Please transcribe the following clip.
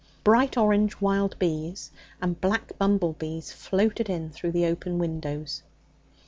Bright orange wild bees and black bumblebees floated in through the open windows.